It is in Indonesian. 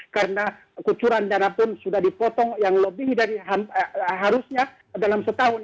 karena kucuran dana pun sudah dipotong yang lebih dari harusnya dalam setahun